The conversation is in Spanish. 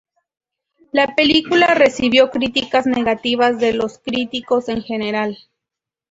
La película recibió críticas negativas de los críticos en general.